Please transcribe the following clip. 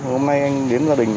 hôm nay anh đến gia đình